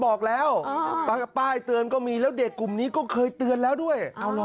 ออกถึงได้มีป้ายเตือนเหรอ